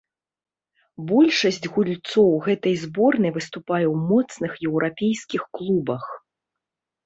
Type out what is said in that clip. Большасць гульцоў гэтай зборнай выступае ў моцных еўрапейскіх клубах.